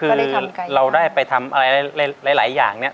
คือเราได้ไปทำอะไรหลายอย่างเนี่ย